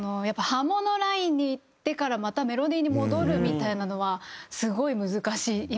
やっぱハモのラインにいってからまたメロディーに戻るみたいなのはすごい難しい。